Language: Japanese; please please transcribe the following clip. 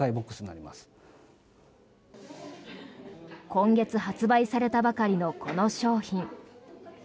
今月、発売されたばかりのこの商品。